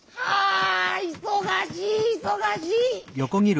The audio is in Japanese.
ああ。